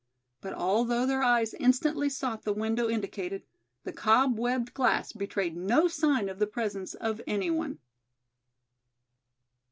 But although their eyes instantly sought the window indicated, the cob webbed glass betrayed no sign of the presence of any one.